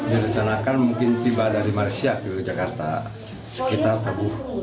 direncanakan mungkin tiba dari malaysia ke jakarta sekitar rabu